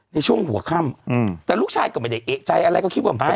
ในช่วงหัวค่ำแต่ลูกชายก็ไม่ได้เอกใจอะไรก็คิดว่าเป็น